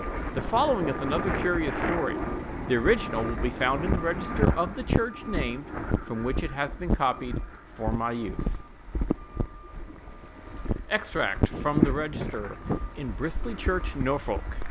The following is another curious story. The original will be found in the register of the church named, from which it has been copied for my use:— EXTRACT FROM THE REGISTER IN BRISLEY CHURCH, NORFOLK.